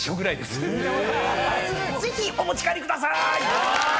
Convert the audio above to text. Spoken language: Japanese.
ぜひお持ち帰りくださーい！